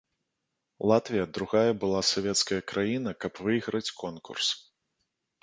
Латвія другая былая савецкая краіна, каб выйграць конкурс.